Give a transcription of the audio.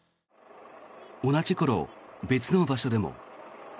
同じ頃、別の場所でも。